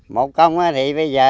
một công thì bây giờ